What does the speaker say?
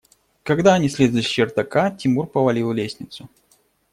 Когда они слезли с чердака, Тимур повалил лестницу.